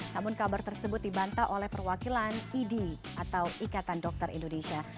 namun kabar tersebut dibantah oleh perwakilan idi atau ikatan dokter indonesia